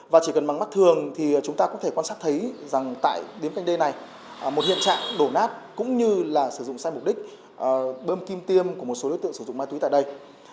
và chỉ cần bằng mắt thường thì chúng ta có thể quan sát thấy rằng tại điếm canh đê này một hiện trạng đổ nát cũng như là sử dụng sai mục đích bơm kim tiêm của một số đối tượng sử dụng ma túy tại đây